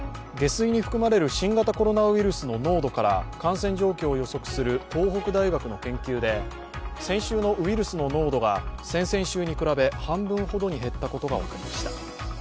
下水に含まれる新型コロナウイルスの濃度から感染状況を予測する東北大学の研究で先週のウイルスの濃度が先々週に比べ半分ほどに減ったことが分かりました。